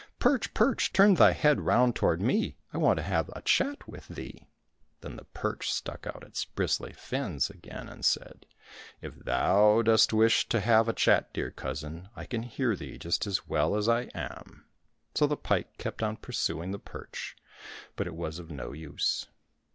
" Perch ! perch ! turn thy head round toward me, I want to have a chat with thee !" Then the perch stuck out its bristly fins again and said, " If thou dost wish to have a chat, dear cousin, I can hear thee just as well as I am." So the pike kept on pursuing the perch, but it was of no use.